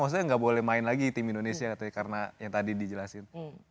maksudnya nggak boleh main lagi tim indonesia karena yang tadi dijelasin